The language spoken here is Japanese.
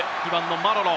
マロロ。